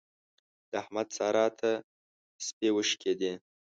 د احمد سارا ته تسپې وشکېدې.